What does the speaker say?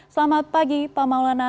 selamat pagi pak maulana